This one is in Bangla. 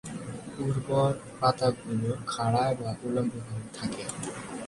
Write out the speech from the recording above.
উর্বর পাতাগুলো খাড়া বা উল্লম্বভাবে থাকে।